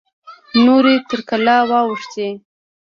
نورې تر کلا واوښتې.